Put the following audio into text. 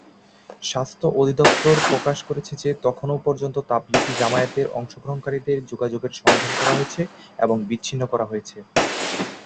স্বাস্থ্য অধিদফতর প্রকাশ করেছে যে তখনও পর্যন্ত তাবলিগী জামায়াতের অংশগ্রহণকারীদের যোগাযোগের সন্ধান করা হয়েছে এবং বিচ্ছিন্ন করা হয়েছে।